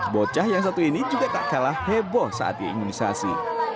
bocah yang satu ini juga tak kalah heboh saat diimunisasi